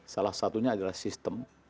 salah satunya adalah sistem